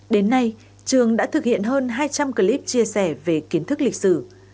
đến nay trường đã thực hiện hơn hai trăm linh clip chia sẻ về kiến thức lịch sử